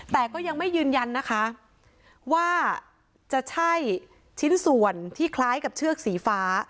แต่ก็ยังไม่ยืนยันนะคะว่าจะใช่ชิ้นส่วนที่คล้ายกับเชือกสีฟ้า